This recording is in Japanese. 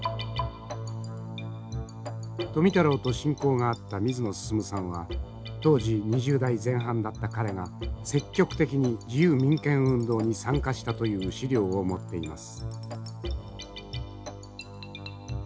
富太郎と親交があった水野進さんは当時２０代前半だった彼が積極的に自由民権運動に参加したという資料を持っています。